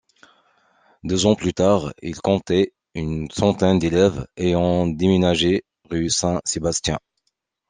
Deux ans plus tard, il comptait une centaine d'élèves, ayant déménagé rue Saint-Sébastien.